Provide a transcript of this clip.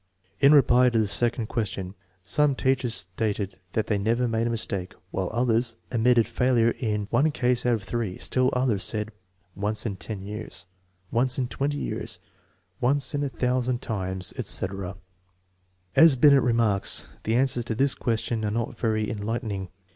In reply to the second question, some teachers stated that they never made a mistake, while others admitted failure in one case out of three. Still others said, Once in ten years/* once in twenty years/' " once in a thousand times/ 1 etc. As Binet remarks the answers to this question are not very enlightening.